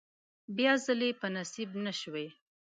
بیا ځلې په نصیب نشوې.